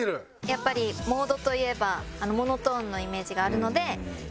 やっぱり「モード」といえばモノトーンのイメージがあるので。